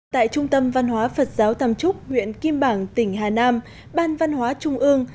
tại trung tâm văn hóa phật giáo tàm trúc huyện kim bảng tỉnh hà nam ban văn hóa trung ương